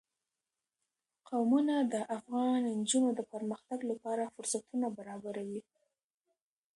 قومونه د افغان نجونو د پرمختګ لپاره فرصتونه برابروي.